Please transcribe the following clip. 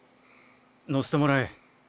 のせてもらえ。